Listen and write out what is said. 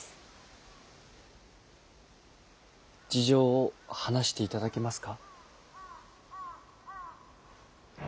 事情を話していただけますか？